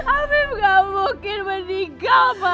afif gak mungkin meninggal ma